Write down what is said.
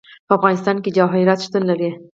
په افغانستان کې جواهرات شتون لري.